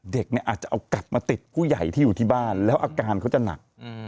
เด็กเนี่ยอาจจะเอากลับมาติดผู้ใหญ่ที่อยู่ที่บ้านแล้วอาการเขาจะหนัก